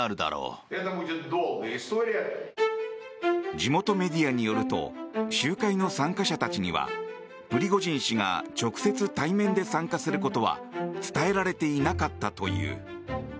地元メディアによると集会の参加者たちにはプリゴジン氏が直接対面で参加することは伝えられていなかったという。